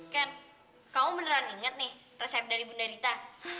ken kamu beneran inget nih resep dari bunda rita